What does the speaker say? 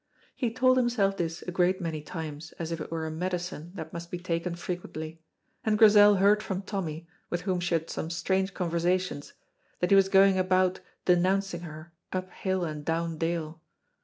He told himself this a great many times as if it were a medicine that must be taken frequently, and Grizel heard from Tommy, with whom she had some strange conversations, that he was going about denouncing her "up hill and down dale."